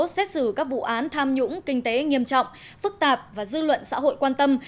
xét xử các vụ án tham nhũng kinh tế nghiêm trọng phức tạp và dư luận xã hội quan tâm